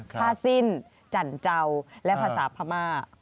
ภาษินจันเจ้าและภาษาพระม่า